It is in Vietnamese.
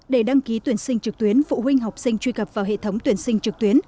để đăng ký tuyển sinh trực tuyến phụ huynh học sinh truy cập vào hệ thống tuyển sinh trực tuyến